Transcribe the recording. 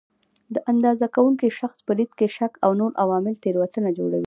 د اندازه کوونکي شخص په لید کې شک او نور عوامل تېروتنه جوړوي.